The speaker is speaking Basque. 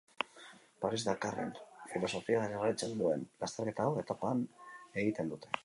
Paris-Dakarren filosofia jarraitzen duen lasterketa hau etapatan egiten dute.